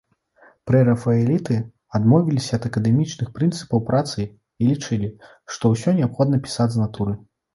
Прэрафаэліты адмовіліся ад акадэмічных прынцыпаў працы і лічылі, што ўсё неабходна пісаць з натуры.